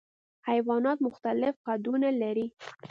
حیوانات مختلف قدونه لري.